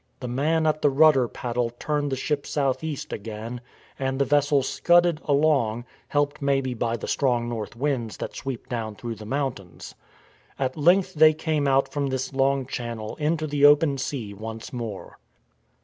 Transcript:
The man at the rudder paddle turned the ship south east again, and the vessel scudded along — helped maybe by the strong north winds that sweep down through the mountains. At length they came out from this long channel into the open sea once more.